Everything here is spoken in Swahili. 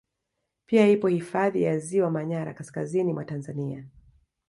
Pia ipo hifadhi ya Ziwa manyara kaskazini mwa Tanzania